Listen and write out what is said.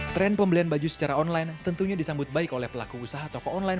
tren pembelian baju secara online tentunya disambut baik oleh pelaku usaha toko online